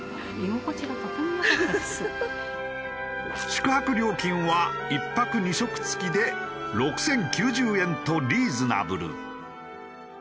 宿泊料金は１泊２食付きで６０９０円とリーズナブル。